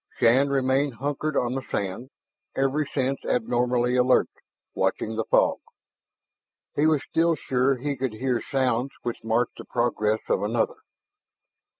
Shann remained hunkered on the sand, every sense abnormally alert, watching the fog. He was still sure he could hear sounds which marked the progress of another.